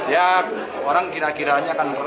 ya orang kira kiranya akan